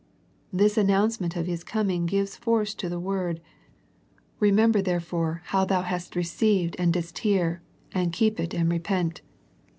This announcement of His coming gives force to the word " Remember therefore how 148 A First Century Message thou hast received and didst hear; and keep it and repent."